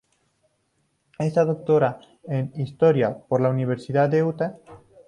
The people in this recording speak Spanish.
Está doctorada en historia por la Universidad de Utah.